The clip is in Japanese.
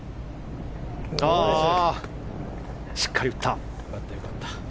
しっかり打った。